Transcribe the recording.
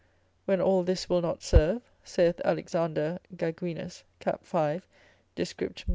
When all this will not serve, saith Alexander Gaguinus, cap. 5. descript.